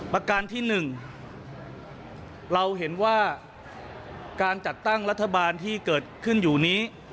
ประการที่๑เราเห็นว่าการจัดตั้งรัฐบาลที่เกิดขึ้นอยู่นี้